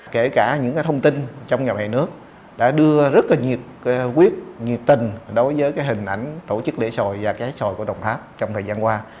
kể cả những thông tin trong nhà bài nước đã đưa rất nhiệt quyết nhiệt tình đối với hình ảnh tổ chức lễ xoài và cá xoài của đồng tháp trong thời gian qua